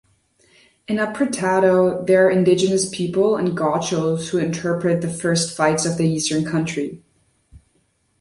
In Apretado there are indigenous people and gauchos who interpret the first fights of the Eastern country.